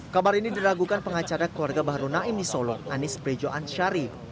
kabar ini diragukan pengacara keluarga bahru naim di solo anis prejoan syari